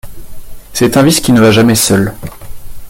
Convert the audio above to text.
C’est un vice qui ne va jamais seul.